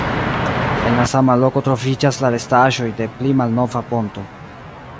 En la sama loko troviĝas la restaĵoj de pli malnova ponto.